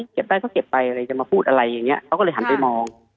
เก็บได้เขาเก็บไปอะไรจะมาพูดอะไรอย่างนี้เขาก็เลยหันไปมอง